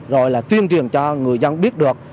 rồi là tuyên truyền cho người dân biết được